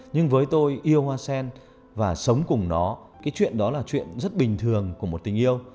nhưng với tôi yêu hoa sen và sống cùng nó cái chuyện đó là chuyện rất bình thường của một tình yêu